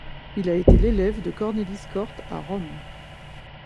Il a été l'élève de Cornelis Cort à Rome.